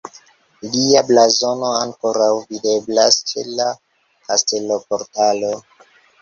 Lia blazono ankoraŭ videblas ĉe la kasteloportalo.